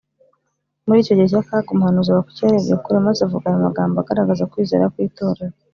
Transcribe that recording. . Muri icyo gihe cy’akaga, umuhanuzi Habakuki yarebye kure, maze avuga aya magambo agaragaza kwizera kw’itorero: